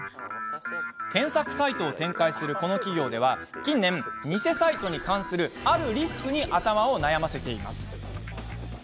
検索サイトを展開するこの企業では近年、偽サイトに関するあるリスクに頭を悩ませています。